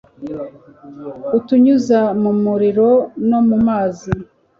utunyuza mu muriro no mu mazi